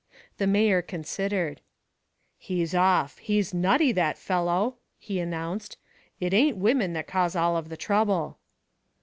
The mayor considered. "He's off he's nutty, that fellow," he announced. "It ain't women that cause all of the trouble."